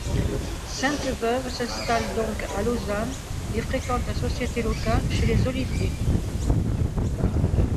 Sainte-Beuve s’installe donc à Lausanne et fréquente la société locale chez les Olivier.